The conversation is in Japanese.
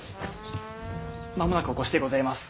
間もなくお越しでございます。